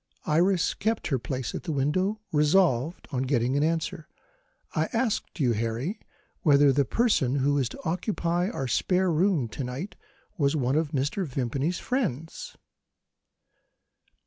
Iris kept her place at the window, resolved on getting an answer. "I asked you, Harry, whether the person who is to occupy our spare bedroom, to night, was one of Mr. Vimpany's friends?"